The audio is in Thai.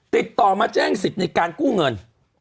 ติดต่อมาแจ้งสิทธิ์ในการกู้เงิน